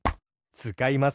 つかいます！